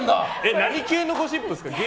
何系のゴシップですか？